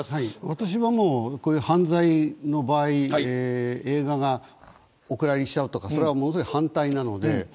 私はこういう犯罪の場合映画がお蔵入りしちゃうとかすごく反対なので。